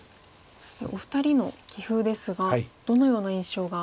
そしてお二人の棋風ですがどのような印象が？